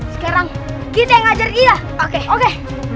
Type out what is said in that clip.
sekarang kita yang ngajar iya oke oke